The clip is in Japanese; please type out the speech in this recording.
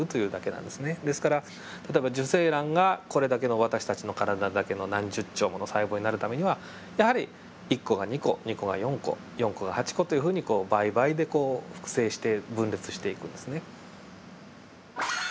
ですから例えば受精卵がこれだけの私たちの体だけの何十兆もの細胞になるためにはやはり１個が２個２個が４個４個が８個というふうに倍倍で複製して分裂していくんですね。